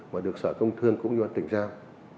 mà được sở công thương cũng như là tỉnh giao